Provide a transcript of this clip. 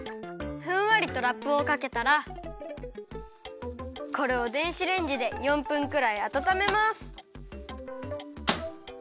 ふんわりとラップをかけたらこれを電子レンジで４分くらいあたためます。